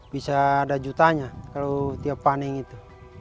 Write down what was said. bisa ada jutanya kalau tiap paning itu